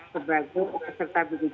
sebagai peserta bgjs